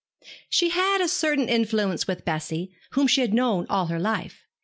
She had a certain influence with Bessie, whom she had known all her life.